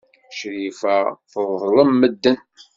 Crifa teḍlem medden.